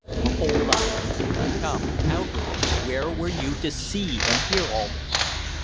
"A whole lot; come, out with it. Where were you to see and hear all this?"